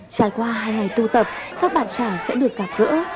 trải qua hai ngày tu tập các bạn trẻ sẽ được cả cỡ